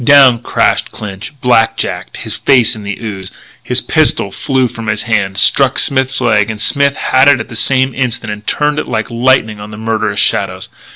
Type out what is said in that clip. Down crashed Clinch, black jacked, his face in the ooze. His pistol flew from his hand, struck Smith's leg; and Smith had it at the same instant and turned it like lightning on the murderous shadows.